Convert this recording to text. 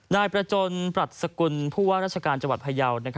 นายประจนปรัชสกุลผู้ว่าราชการจังหวัดพยาว